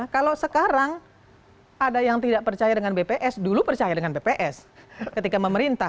kalau sekarang ada yang tidak percaya dengan bps dulu percaya dengan bps ketika memerintah